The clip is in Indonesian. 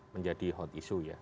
menjadi hot issue ya